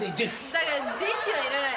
だから「デシッ」はいらない。